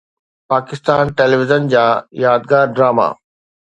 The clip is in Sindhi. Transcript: پاڪستان ٽيليويزن جا يادگار ڊراما